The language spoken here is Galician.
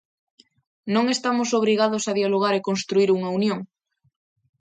Non estamos obrigados a dialogar e construír unha unión?